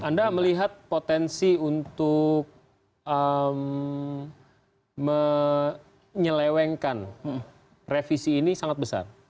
anda melihat potensi untuk menyelewengkan revisi ini sangat besar